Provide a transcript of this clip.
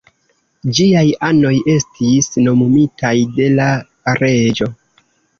Ĝiaj anoj estis nomumitaj de la reĝo.